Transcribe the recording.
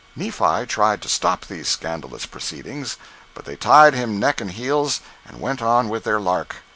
Nephi tried to stop these scandalous proceedings; but they tied him neck and heels, and went on with their lark.